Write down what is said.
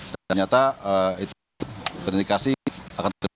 dan ternyata itu terindikasi akan terjadi